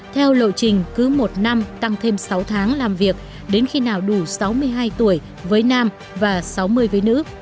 theo lộ trình cứ một năm tăng thêm sáu tháng làm việc đến khi nào đủ sáu mươi hai tuổi với nam và sáu mươi với nữ